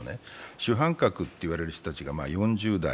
主犯格といわれる人たちが４０代。